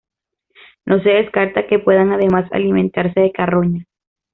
No se descarta que puedan además alimentarse de carroña.